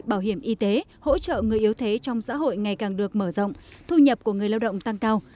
bảo hiểm y tế hỗ trợ người yếu thế trong xã hội ngày càng được mở rộng thu nhập của người lao động tăng cao